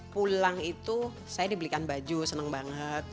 pulang itu saya dibelikan baju senang banget